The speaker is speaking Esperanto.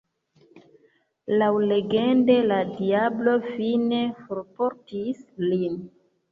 Laŭlegende la diablo fine forportis lin.